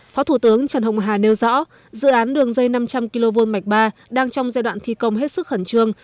phó thủ tướng trần hồng hà nêu rõ dự án đường dây năm trăm linh kv mạch ba đang trong giai đoạn thi công hết sức khẩn trương